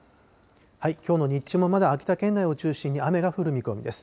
きょうの日中もまだ秋田県内を中心に雨が降る見込みです。